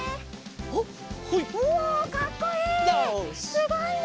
すごいね。